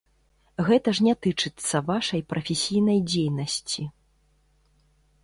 Гэта ж не тычыцца вашай прафесійнай дзейнасці.